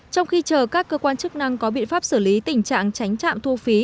trong khi chờ các cơ quan chức năng có biện pháp xử lý tình trạng tránh trạm thu phí